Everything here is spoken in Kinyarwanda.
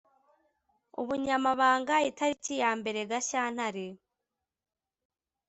Ubunyamabanga itariki ya mbere Gashyantare